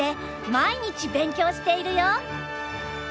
毎日勉強しているよ。